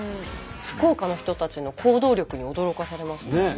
福岡の人たちの行動力に驚かされますね。